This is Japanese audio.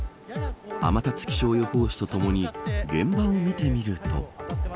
天達気象予報士とともに現場を見てみると。